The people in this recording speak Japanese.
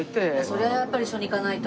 それはやっぱり一緒に行かないと。